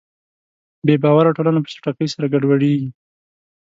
بېباوره ټولنه په چټکۍ سره ګډوډېږي.